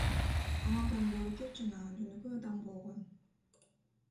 Ал абдан боорукер жана жөнөкөй адам болгон.